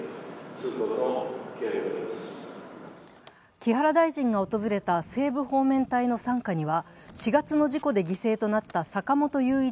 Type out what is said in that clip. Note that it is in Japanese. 木原大臣が訪れた西武方面隊の傘下には、４月の事故で犠牲となった坂本雄一